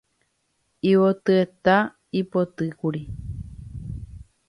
Yvotyeta ipotykuru